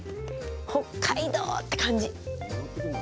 北海道！って感じ。